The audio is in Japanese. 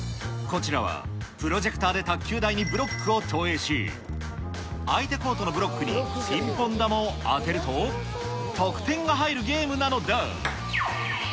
こちらはプロジェクターで卓球台にブロックを投影し、相手コートのブロックにピンポン球を当てると、得点が入るゲームなのだ。